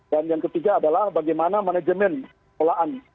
dan yang ketiga adalah bagaimana manajemen olahan